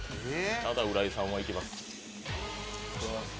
ただ、浦井さんはいけます。